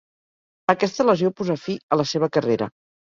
Aquesta lesió posà fi a la seva carrera.